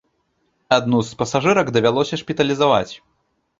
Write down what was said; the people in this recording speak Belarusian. Адну з пасажырак давялося шпіталізаваць.